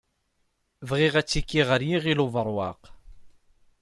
Bɣiɣ atiki ɣer Yiɣil Ubeṛwaq.